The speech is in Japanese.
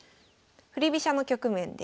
振り飛車の局面です。